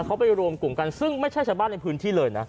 เขาไปรวมกลุ่มกันซึ่งไม่ใช่ชาวบ้านในพื้นที่เลยนะ